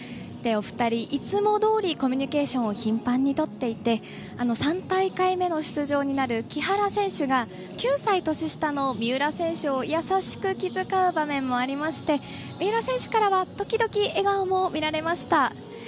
お二人、いつもどおりコミュニケーションを頻繁にとっていて３大会目の出場になる木原選手が９歳年下の三浦選手を優しく気遣う場面もありまして三浦選手からは時々、笑顔も見られました。